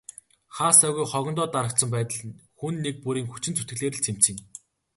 Хаа сайгүй хогондоо дарагдсан байдал хүн нэг бүрийн хүчин зүтгэлээр л цэмцийнэ.